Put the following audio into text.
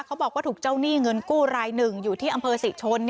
เขาบอกว่าถูกเจ้าหนี้เงินกู้รายหนึ่งอยู่ที่อำเภอศรีชน